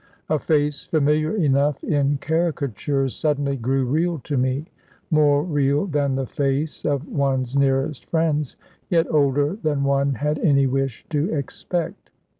A face familiar enough in caricatures suddenly grew real to me more real than the face of one's nearest friends, yet older than one had any wish to expect.